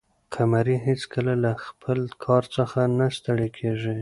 قمري هیڅکله له خپل کار څخه نه ستړې کېږي.